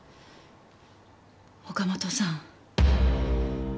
岡本さん。